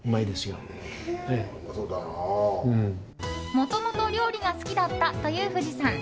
もともと料理が好きだったという藤さん。